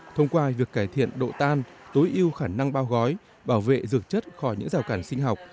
thông qua việc cải thiện độ tan tối yêu khả năng bao gói bảo vệ dược chất khỏi những rào cản sinh học